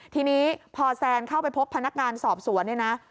ทีนี้พอแซนเข้าไปพบพนักงานสอบสวนเนี่ยนะ